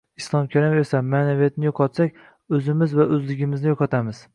Islom Karimov esa “Ma’naviyatni yo‘qotsak, o‘zimiz va o‘zligimizni yo‘qotamiz